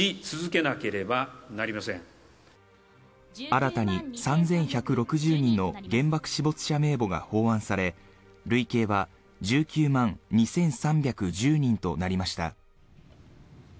新たに３１６０人の原爆死没者名簿が奉安され累計は１９万２３１０人となりました。